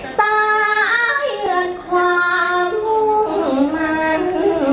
สายเหลือนความมุมมัน